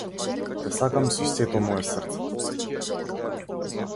Те сакам со сето мое срце.